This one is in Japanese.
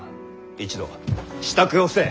一同支度をせい。